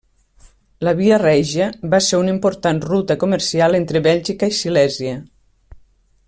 La Via Regia, va ser una important ruta comercial entre Bèlgica i Silèsia.